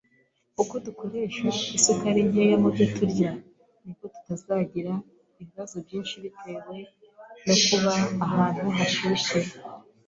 Uko dukoresha isukari nkeya mu byo turya, niko tutazagira ibibazo byinshi bitewe no kuba ahantu hashyushye.